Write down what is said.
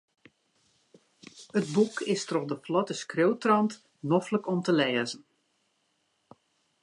It boek is troch de flotte skriuwtrant noflik om te lêzen.